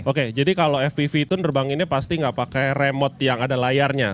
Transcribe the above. oke jadi kalau fpv itu nerbang ini pasti nggak pakai remote yang ada layarnya